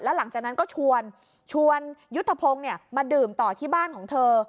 หลังจากนั้นก็ชวนชวนยุทธพงศ์มาดื่มต่อที่บ้านของเธอ